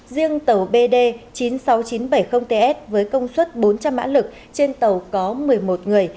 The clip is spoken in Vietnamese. riêng tàu bd chín mươi sáu nghìn chín trăm bảy mươi ts với công suất bốn trăm linh mã lực trên tàu có một mươi một người